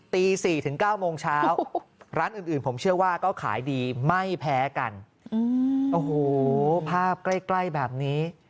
ตี๔๙โมงเช้าร้านอื่นผมเชื่อว่าก็ขายดีไม่แพ้กัน